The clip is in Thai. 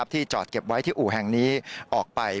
ที่จอดเก็บไว้ที่อู่แห่งนี้ออกไป